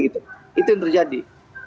itu yang terjadi